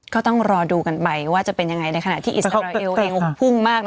ก็ต้องรอดูกันไปว่าจะเป็นยังไงในขณะที่อิสราเอลเองพุ่งมากนะ